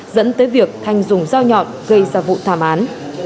dẫn tới việc thanh dùng dao nhọn gây ra vụ thảm án